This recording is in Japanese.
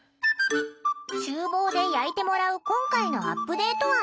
ちゅう房で焼いてもらう今回のアップデート案。